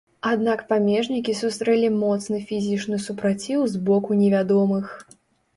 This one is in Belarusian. Аднак памежнікі сустрэлі моцны фізічны супраціў з боку невядомых.